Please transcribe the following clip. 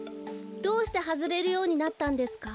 どうしてはずれるようになったんですか？